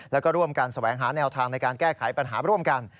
แล้วก็ร่วมกันแสวงหาแนวทางในการแก้ไขปัญหาร่วมกัน